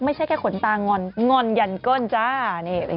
ไม่ใช่แค่ขนตาก่อนชั่วเน่นเดิน